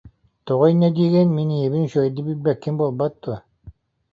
Тоҕо инньэ диигин, «мин ийэбин үчүгэйдик билбэккин буолбат дуо